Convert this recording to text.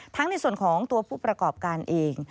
ในส่วนของตัวผู้ประกอบการเอง